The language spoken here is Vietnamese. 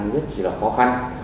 rất là khó khăn